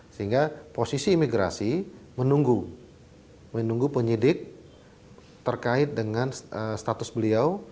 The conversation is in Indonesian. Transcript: sehingga posisi imigrasi menunggu penyidik terkait dengan status beliau